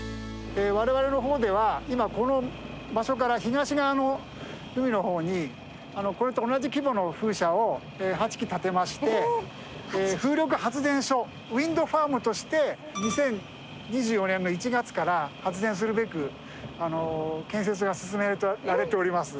我々の方では今この場所から東側の海の方にこれと同じ規模の風車を８基建てまして風力発電所ウインドファームとして２０２４年の１月から発電するべく建設が進められております。